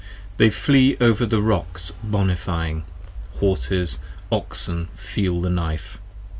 They flee over the rocks bonifying: Horses, Oxen, feel the knife.